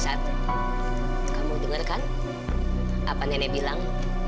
sat kamu dengarkan apa nenek bilang